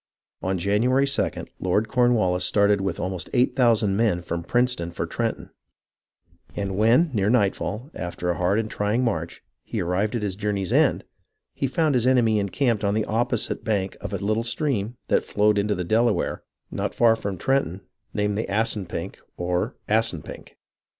On January 2nd, Lord Cornwallis started with almost eight thousand men from Princeton for Trenton, and when, near nightfall, after a hard and trying march, he arrived at his journey's end, he found his enemy encamped on the opposite bank of a little stream that flowed into the Delaware not far from Trenton, named the Assanpink or Assunpink.